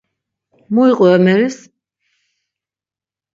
Mu iqu emeris?